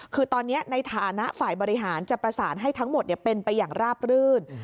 คือตอนนี้ในฐานะฝ่ายบริหารจะประสานให้ทั้งหมดเป็นไปอย่างราบรื่น